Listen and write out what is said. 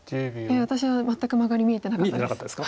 私は全くマガリ見えてなかったです。